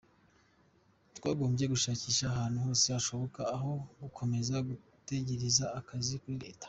Twakagombye gushakisha ahantu hose hashoboka aho gukomeza gutegereza akazi kuri Leta.